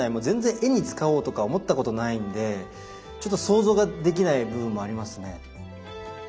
全然絵に使おうとか思ったことないんでちょっと想像ができない部分もありますね。